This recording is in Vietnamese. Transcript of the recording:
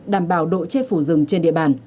đảm bảo độ che phủ rừng trên địa bàn